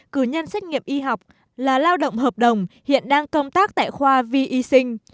cử nhân xét nghiệm y học là lao động hợp đồng hiện đang công tác tại khoa vi y sinh